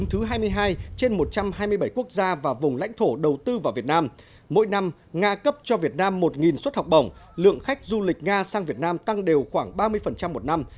thứ hai mươi hai trên một trăm hai mươi bảy quốc gia và vùng lãnh thổ đầu tư vào việt nam mỗi năm nga cấp cho việt nam một suất học bổng lượng khách du lịch nga sang việt nam tăng đều khoảng ba mươi một năm